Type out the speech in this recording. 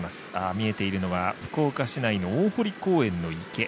見えているのは福岡市内の大濠公園の池。